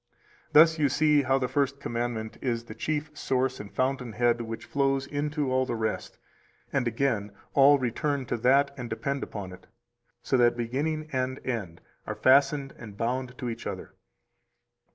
329 Thus you see how the First Commandment is the chief source and fountainhead which flows into all the rest, and again, all return to that and depend upon it, so that beginning and end are fastened and bound to each other.